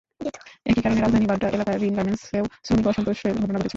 একই কারণে রাজধানীর বাড্ডা এলাকার রিন গার্মেন্টসেও শ্রমিক অসন্তোষের ঘটনা ঘটেছে।